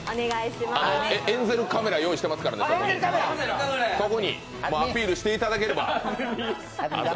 エンゼルカメラ、用意してますから、そこにアピールしていただければ。